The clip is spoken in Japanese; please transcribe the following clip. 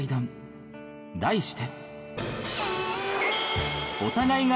題して